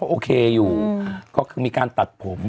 โอเคอยู่ก็คือมีการตัดผม